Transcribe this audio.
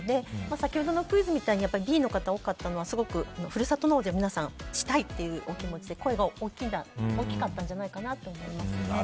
先ほどのクイズみたいにＢの方が多かったのはすごく、ふるさと納税をしたいというお気持ちで声が大きかったんじゃないかなと思います。